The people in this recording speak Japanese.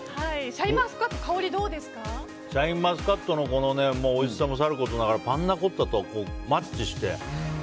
シャインマスカットのおいしさもさることながらパンナ・コッタとマッチして。